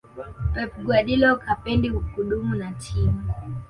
pep guardiola hapendi kudumu na timu